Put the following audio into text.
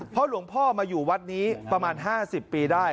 เพราะหลวงพ่อมาอยู่วัดนี้ประมาณ๕๐ปีได้